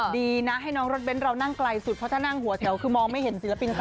ดีนะให้น้องรถเน้นเรานั่งไกลสุดเพราะถ้านั่งหัวแถวคือมองไม่เห็นศิลปินเขา